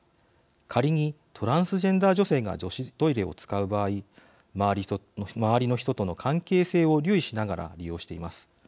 仮にトランスジェンダー女性が女子トイレを使う場合周りの人との関係性を留意しながら利用しています。